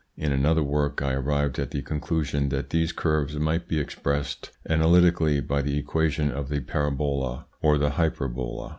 In another work I arrived at the conclusion that these curves might be expressed analytically by the equation of the parabola or the hyperbola.